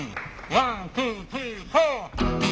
ワンツースリーフォー。